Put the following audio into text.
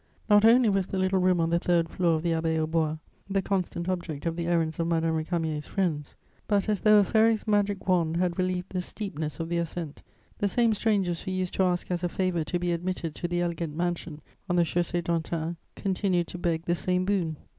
Not only was the little room on the third floor of the Abbaye aux Bois the constant object of the errands of Madame Récamier's friends, but, as though a fairy's magic wand had relieved the steepness of the ascent, the same strangers who used to ask as a favour to be admitted to the elegant mansion on the Chaussée d'Antin continued to beg the same boon.